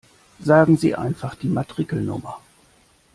Sagen Sie einfach die Matrikelnummer!